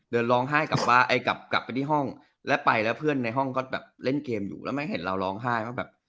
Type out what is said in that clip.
เดินร้องไห้กลับไปที่ห้องเล่นเกมอยู่แล้วแม่งเห็นเราร้องไห้